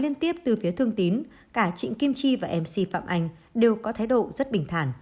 liên tiếp từ phía thương tín cả trịnh kim chi và mc phạm anh đều có thái độ rất bình thản